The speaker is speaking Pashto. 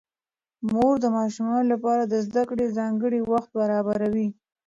مور د ماشومانو لپاره د زده کړې ځانګړی وخت برابروي